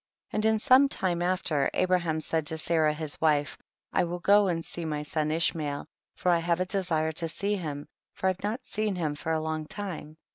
22. And in some time after, Abra ham said to Sarah his wife, I will go and see my son Ishmael, for I have a desire to see him, for I have not seen him for a long time.